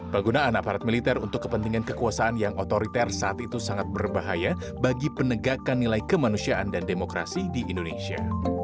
penggunaan aparat militer untuk kepentingan kekuasaan yang otoriter saat itu sangat berbahaya bagi penegakan nilai kemanusiaan dan demokrasi di indonesia